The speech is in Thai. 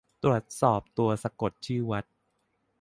ตรวจสอบตัวสะกดชื่อวัด